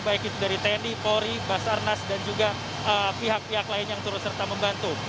baik itu dari tni polri basarnas dan juga pihak pihak lain yang turut serta membantu